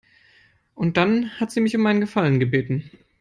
Und dann hat sie mich um einen Gefallen gebeten.